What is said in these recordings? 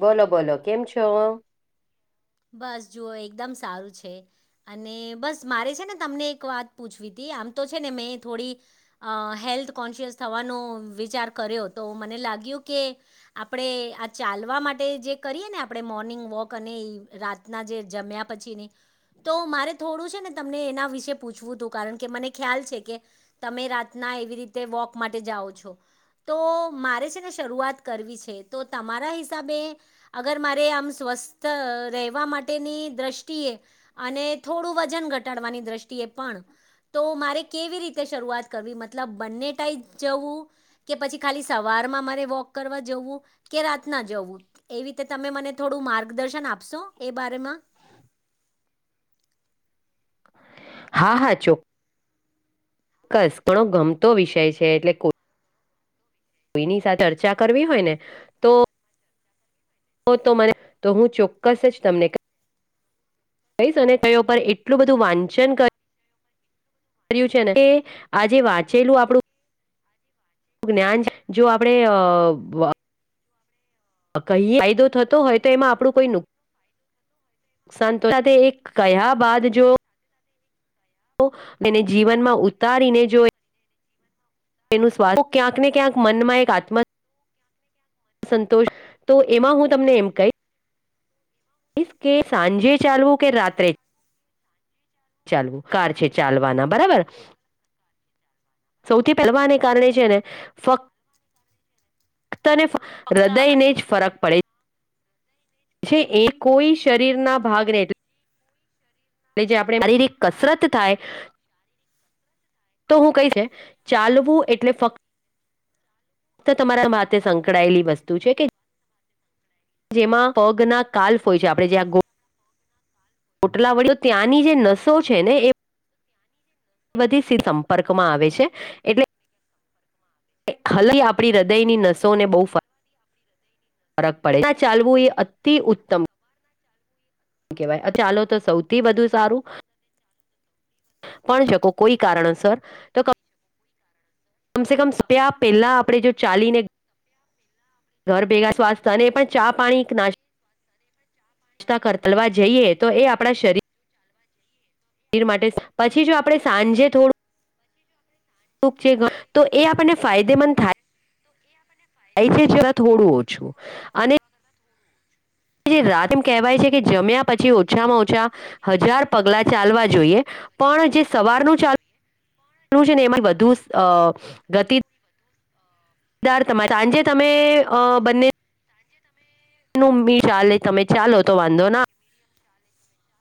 બોલો બોલો કેમ છો. બસ જુઓ એકદમ સારું છે. અને બસ મારે છે ને તમને એક વાત પૂછવીતી આમ તો છે ને મેં થોડી. હેલ્થ કોન્શિયસ થવાનો વિચાર કર્યો તો મને લાગ્યું કે. આપણે આ ચાલવા માટે જે કરીએ ને આપણે મોર્નિંગ વોક અને એ. રાતના જે જમ્યા પછીની. તો મારે થોડું છે ને તમને એના વિશે પૂછવું હતું કારણ કે મને ખ્યાલ છે કે. તમે રાતના એવી રીતે વોક માટે જાઓ છો. તો મારે છે ને શરૂઆત કરવી છે તો તમારા હિસાબે. અગર મારે આમ સ્વસ્થ. રહેવા માટેની દ્રષ્ટિએ અને થોડું વજન ઘટાડવાની દ્રષ્ટિએ પણ. તો મારે કેવી રીતે શરૂઆત કરવી મતલબ બંને ટાઈમ જવું. કે પછી ખાલી સવારમાં મારે વોક કરવા જવું. કે રાતના જવું એવી રીતે તમે મને થોડું માર્ગદર્શન આપશો એ બારમાં. હા હા ચો ચોક્કસ ઘણો ગમતો વિષય છે એટલે. કોઈની સાથે ચર્ચા કરવી હોય ને તો. તો મને તો હું ચોક્કસ જ તમને કંઈ કહીશ અને ક પર એટલું બધું વાંચન કરી. કરયું છે ને આજે વાંચેલું આપડું. જ્ઞાન જો આપડે. કઈ કાયદો થતો હોય તો એમાં આપણું કોઈ નુક સંંતુષા તે એક કહ બાદ જો. એને જીવનમાં ઉતારીને જોઈ. એનું સ્વાથ ક્યાંક ને ક્યાંક મનમાં એક આત્મ સંતોષ તો એમાં હું તમને એમ કહીશ. ઇફ કે સાંજે ચાલુ કે રાત્રે. ચાલવું કાર છે ચાલવાના બરાબર. સૌથી પહેલાને કારણે છે ને ફક્ ફક્તને હૃદયને જ. ફરક પડે એ કોઈ શરીરના ભાગને એટલે. એલે જે આપણે શારીરિક કસરત થાય. તો હું કઈ છે ચાલવું એટલે ફક્ત. તો તમારા માટે સંકળાયેલી વસ્તુ છે કે. જેમાં પગ ના કાલ્ફ હોય છે આપણે જ્યાં ગો પોટલા વડીઓ ત્યાંની જે નસો છે ને એ. બધી સ સંપર્ક માં આવે છે એટલે હલી આપણી હૃદયની નસો ને બહુ ફર ફરક પડે ચાલવું એ અતિ ઉત્તમ કેવાય ચાલો તો સૌથી વધુ સારું પણ શકો કોઈ કારણસર તો કમસેે કમ સપ્યા પહેલા આપણે જો ચાલીને ઘર ભેગા સ્વાસ્થ અને એ પણ ચા પાણી નાસ્ કરતલવા જઈએ તો એ આપણા શરીર ર માટે પછી જો આપડે સાંજે થોડું તો એ આપને ફાયદેમંદ થોડું ઓછું જે રાત એમ કહેવાય છે કે જમ્યા પછી ઓછામાં ઓછા હજાર પગલા ચાલવા જોઈએ પણ જે સવારનું ચાલ છે ને એમાં વધુ ગતિ તમા સાંજે તમે બંને મ્મી ચાલે તમે ચાલો તો વાંધો ના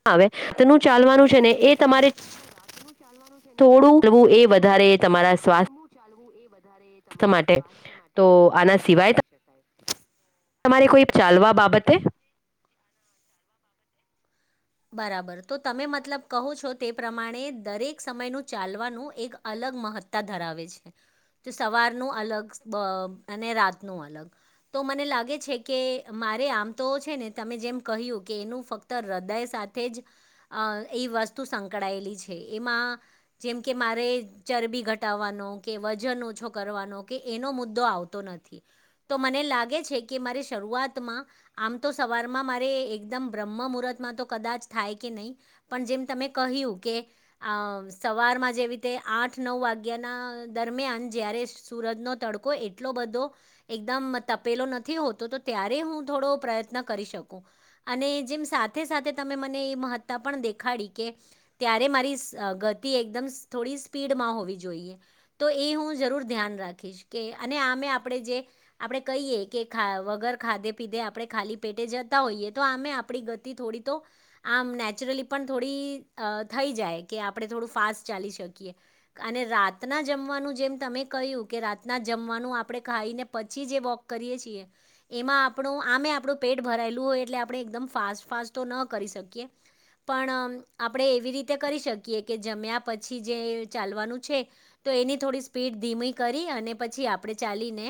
આવે તો ન ચાલવાનું છે ને એ તમારે થોડુંવું એ વધારે તમારા સ્વાસ્થ ચાલવું એ વધારે તમારા સ્વાસ્થ્ય તો માટે આના સારું સિવાય કહી શકાય તમારે કોઈ ચાલવા બાબતે બરાબર તો તમે મતલબ કહો છો તે પ્રમાણે દરેક સમયનું ચાલવાનું એક અલગ મહત્ત્વ ધરાવે છે તો સવારનું અલગ અને રાતનું અલગ તો મને લાગે છે કે મારે આમ તો છે ને તમે જેમ કહ્યું કે એનું ફક્ત હૃદય સાથે જ અ એ વસ્તુ સંકળાયેલી છે એમાં જેમ કે મારે ચરબી ઘટાવાનો કે વજન ઓછો કરવાનો કે એનો મુદ્દો આવતો નથી તો મને લાગે છે કે મારે શરૂઆતમાં આમ તો સવારમાં મારે એકદમ બ્રહ્મ મુહૂર્તમાં તો કદાચ થાય કે નહીં પણ જેમ તમે કહ્યું કે આ સવારમાં જેવી રીતે આઠ નવ વાગ્યાના દરમિયાન જય્યારે સુરતનો તડકો કોઈ એટલો બધો એકદમ તપેલો નથી હોતો તો ત્યારે હું થોડો પ્રયત્ન કરી શકું અને જેમ સાથે સાથે તમે મને એ મહત્તા પણ દેખાડી કે ત્યારે મારી ગતિ એકદમ થોડી સ્પીડમાં હોવી જોઈએ તો એ હું જરૂર ધ્યાન રાખીશ કે અને આમે આપણે જે આપડણે કહીએ કે વગર ખાધે પીધે આપણે ખાલી પેટે જતા હોઈએ તો અમે આપણી ગતિ થોડી તો આમ નેચરલી પણ થોડી થઈ જાય કે આપણે થોડું ફાસ્ટ ચાલી શકીએ અને રાતના જમવાનું જેમ તમે કહ્યું કે રાતના જમવાનું આપણે ખાઈને પછી જે વોક કરીએ છીએ એમાં આપણો આમે આપણું પેટ ભરાયેલું હોય એટલે આપણે એકદમ ફાસ્ટ ફાસ્ટ તો ના કરી શકીએ પણ આપણે એવી રીતે કરી શકીએ કે જમ્યા પછી જે ચાલવાનું છે તો એની થોડી સ્પીડ ધીમી કરી અને પછી આપણે ચાલીને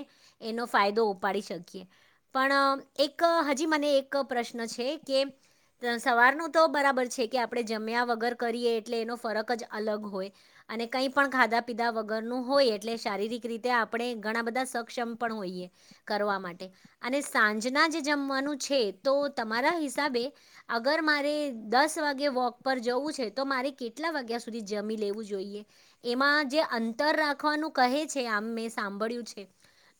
એનો ફાયદો ઉપાડી શકીએ પણ એક હજી મને એક પ્રશ્ન છે કે સવારનો તો બરાબર છે કે આપણે જમ્યા વગર કરીએ એટલે એનો ફરક જ અલગ હોય અને કંઈ પણ ખાધા પીધા વગરનું હોય એટલે શારીરિક રીતે આપણે ઘણા બધા સક્ષમ પણ હોઈએ કરવા માટે અને સાંજના જે જમવાનું છે તો તમારા હિસાબે અગર મારે દસ વાગે વોક પર જવું છે તો મારે કેટલા વાગ્યા સુધી જમી લેવું જોઈએ એમાં જે અંતર રાખવાનું કહે છે આમ મેં સાંભળ્યું છે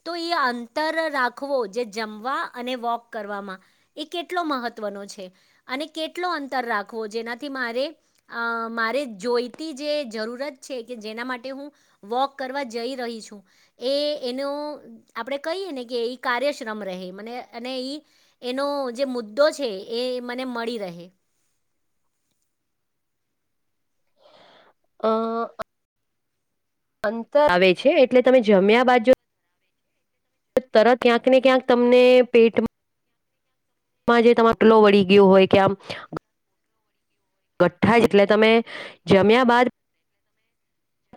તો એ અંતર રાખવો જે જમવા અને વોક કરવામાં એ કેટલો મહત્વનો છે અને કેટલો અંતર રાખવો જેનાથી મારે અ મારે જોઈતી જે જરૂરત છે, કે જેના માટે હું. વોક કરવા જઈ રહી છું એ એનો આપણે કહીએ ને કે એ કાર્યશ્રમ રહે મને અને ઈ એનો જે મુદ્દો છે એ મને મળી રહે આ અંતર આવે છે એટલે તમે જમ્યા બાજ જો તરત ક્યાંક ને ક્યાંક તમને પેટમાં માં જે તમારે પેલો વળી ગયો હોય કે આમ કઠ્ઠા જેટલે તમે જમ્યા બાદ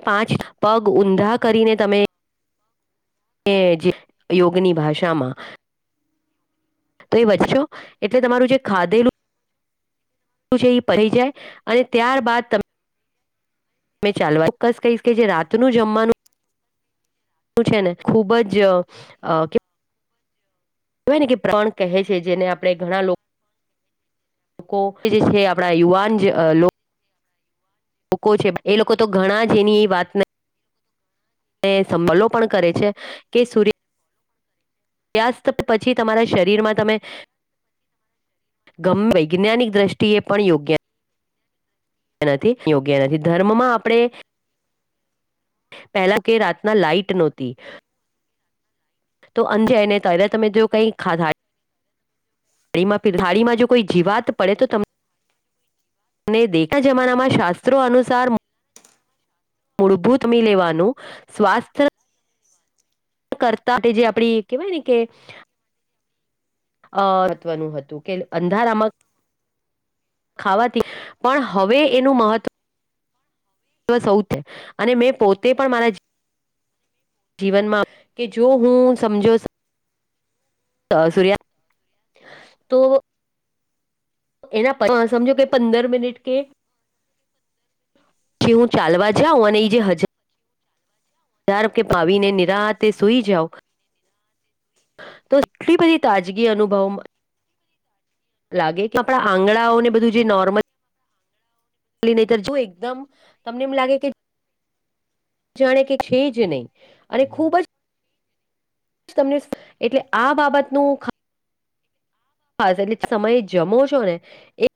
પાંચ પગ ઊંધા કરીને તમે એ જે યોગની ભાષામાં તો એ વધશો એટલે તમારું જે ખાધેલું છે એ પરી જાય અને ત્યારબાદ તમે મે ચાલવા ચોક્કસ કહીશ કે જે રાતનું જમવાનું શું છે ને ખુબ જ જોય ને કે પ્રણ કહે છે જેને આપણે ઘણા લોકો લોકો જે છે આપણા યુવાન લોકો છે એ લોકો તો ઘણા જ એની એ વાત નથ એ સંબલો પણ કરે છે કે સૂર્ય વ્યાસ્ત પછી તમારા શરીરમાં તમે ગમે યે વૈજ્ઞાનિક દ્રષ્ટિએ પણ યોગ્ય નથી યોગ્ય નથી ધર્મમાં આપણે પેલા કે રાતના લાાઈટ નહોતી તો અજે એને તલે તમે જો કઈ ખાધા થામાં થાડીમાં જો કોઈ જીવાત પડે તો તમને અને દેશના જમાનામાં શાસ્ત્રો અનુસાર મૂળભૂત મી લેવાનું સ્વાસ્થ્ય [unintelligible] કરતા તે જે આપડી કેવાય ને કે અ મહત્વનું હતું કે અંધારામાં ખાવાથી પણ હવે એનું મહત્વ મહત્વ સૌ છે અને મેં પોતે પણ મારા જીવનમાં કે જો હું સમજો તો સૂર્યા તો એના સમજો કે પંદર મિનિટ કે કે હું ચાલવા જવું અને એ જે હજ ધાર કે ભાવીને નિરા હતે સુઈ જાઓ તો એટલી બધી તાજગી અનુભવ લાગે કે આપણા આંગણાઓને બધું જે નોર્મલ [unintelligible] જોઈ એકદમ તમને એમ લાગે કે જાણે કે છે જ નહીં અને ખૂબ જ તમને એટલે આ બાબતનું ખા ખાસ એટલે સમય જમો છો ને એ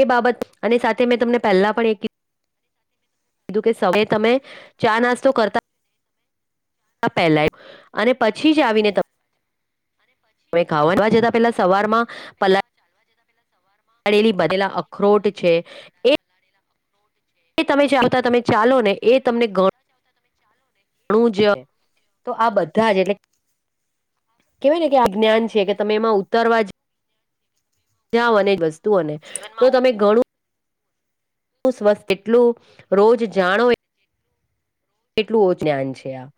એ બાબત અને સાથે મેં તમને પહેલા પણ એ કી કીધું કે સમય તમે ચા નાસ્તો કરતા [unintelligible] પેલાય અને પછી જ આવીને તમ તમે ખાવાવા જતા પેલા સવાર માં પલા પડેલી બધેલા અખરોટ છે એ એ તમે ચાલતા તમે ચાલો ને એ તમને ગણો ઘણું જ તો આ બધા જ એટલે કેવાય ને કે આ જ્ઞાન છે કે તમે એમાં ઉતરવા જ જાઓ અને વસ્તુઓને તો તમે ઘણું એટલું સ્વસ્થ કેટલું રોજ જાણો કેટલું [unintelligible] જ્ઞાન છે આ.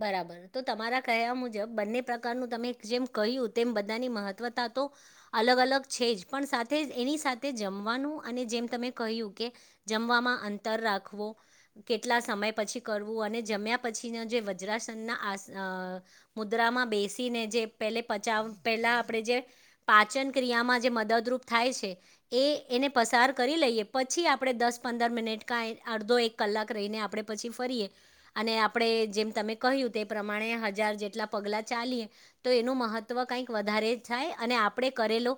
બરાબર તો તમારા કહેયા મુજબ બંને પ્રકારનું તમે જેમ કહ્યું તેમ બધાની મહત્વતા તો અલગ અલગ છે જ પણ સાથે જ એની સાથે જમવાનું અને જેમ તમે કહ્યું કે જમવામાં અંતર રાખવું કેટલા સમય પછી કરવું અને જમ્યા પછીનો જે વાચ ગુજરાશનના આસ આ મુદ્રામાં બેસીને જે પેલે પચાવ પેલા આપણે જે પાચન ક્રિયામાં જે મદદરૂપ થાય છે. એ એને પસાર કરી લઈએ પછી આપણે દસ પંદર મિનિટ કાં અડધો એક કલાક રહીને આપણે પછી ફરીએ અને આપણે જેમ તમે કહ્યું તે પ્રમાણે હજાર જેટલા પગલા ચાલીએ તો એનું મહત્વ કઈક વધારે થાય અને આપણે કરેલો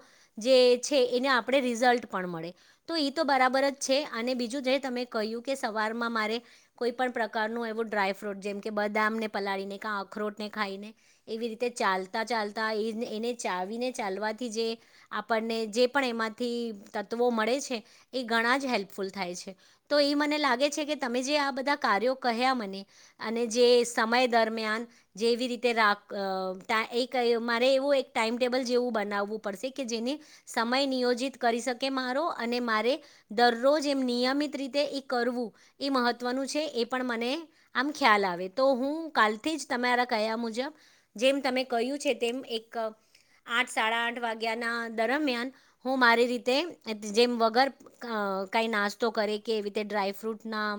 જે છે એને આપણે રિઝલ્ટ પણ મળે. તો એ તો બરાબર જ છે અને બીજું જે તમે કહ્યું કે સવારમાં મારે કોઈ પણ પ્રકારનું એવું ડ્રાયફ્રૂટ જેમ કે બદામને પલાળીને ક અખરોટને ખાઈને એવી રીતે ચાલતા ચાલતા એ એને ચાવીને ચાલવાથી જે આપણને જે પણ એમાંથી તત્વો મળે છે એ ઘણા જ હેલ્પફુલ થાય છે. તો એ મને લાગે છે કે તમે જે આ બધા કાર્યો કહ્યા મને અને જે સમય દરમિયાન જેવી રીતે રાખ એક મારે એવું એક ટાઈમટેબલ જેવું બનાવવું પડશે કે જેને સમય નિયોજિત કરી શકે મારો અને મારે દરરોજ એમ નિયમિત રીતે એ કરવું એ મહત્વનું છે એ પણ મને આમ ખ્યાલ આવે તો હું કાલથી જ તમારા કહ્યા મુજબ જેમ તમે કહ્યું છે તેમ એક આઠ સાડા આઠ વાગ્યા ના દરમિયાન હું મારી રીતે જેમ વગર અ કઈ નાસ્તો કરે કેવીતે ડ્રાયફ્રૂટ ના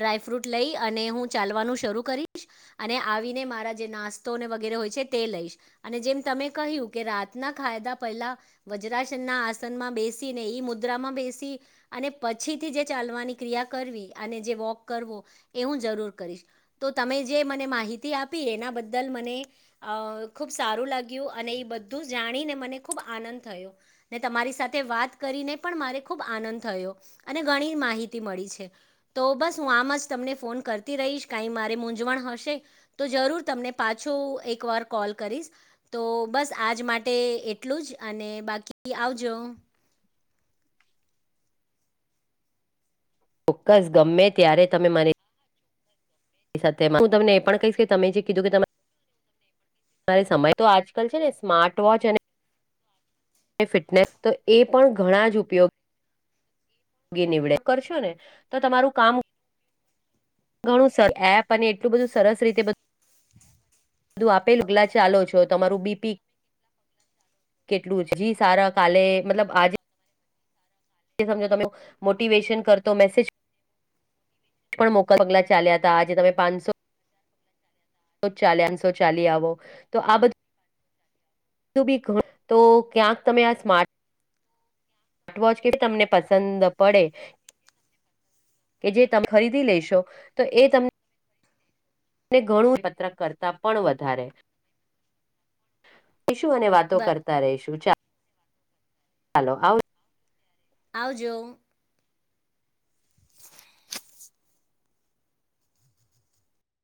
ડ્રાયફ્રૂટ લઈ અને હું ચાલવાનું શરૂ કરીશ અને આવીને મારા જે નાસ્તોને વગેરે હોય છે તે લઈશ અને જેમ તમે કહ્યું કે રાતના ખાયદા પહેલા વજ્રાસનના આસનમાં બેસી ને ઈ મુદ્રામાં બેસી અને પછીથી જે ચાલવાની ક્રિયા કરવી અને જે વોક કરવો એ હું જરૂર કરી તો તમે જે મને માહિતી આપી એના બદલ મને અ ખૂબ સારું લાગ્યું અને એ બધું જાણીને મને ખૂબ આનંદ થયો ને તમારી સાથે વાત કરીને પણ મારે ખૂબ આનંદ થયો અને ઘણી માહિતી મળી છે તો બસ હું આમ જ તમને ફોન કર થી રહીશ કાંઈ મારે મૂંઝવણ હશે તો જરૂર તમને પાછો એકવાર કોલ કરીશ. તો બસ આજ માટે એટલું જ અને બાકી આવજો. ચોક્કસ ગમે ત્યારે તમે મારી સાથે હું તમને એ પણ કહીશ કે તમે જે કીધું કે તમે મારે સમય તો આજકાલ છે ને સ્માર્ટ વોચ અને ફિટનેસ તો એ પણ ઘણા જ ઉપયોગ નીવડે કરશો ને તો તમારું કામ ઘણું સરસ એપ અને એટલું બધું સરસ રીતે બદુ બધું આપેલુંગલા ચાલો છો તમારું બીપી કેટલું જી સારા કાલે મતલબ આજ સમજો તમે મોટિવેશન કરતો મેસેજ પણ મોકા પગલા ચાલ્યા હતા આજે તમે પાંચસો ચામસો ચાલી આવો તો આ બધ તું બી તો ક્યાંક તમે આ સ્માર્ટ સ્ર્ટ વોચ કે તમને પસંદ પડે કે જે તમે ખરીદી લેશો તો એ તમને ને ઘણું પત્ર કરતા પણ વધારે ઈશું અને વાતો બ કરતા રહીશું ચાલ હલો હાઉ આવજો.